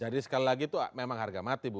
jadi sekali lagi itu memang harga mati bu